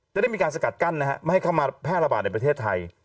ได้มีการสกัดกั้นนะฮะไม่ให้เข้ามาแพร่ระบาดในประเทศไทย